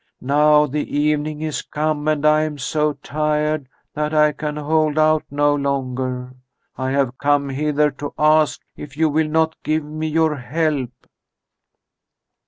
Now the evening is come and I am so tired that I can hold out no longer. I have come hither to ask if you will not give me your help."